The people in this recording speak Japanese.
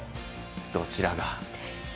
どちらが。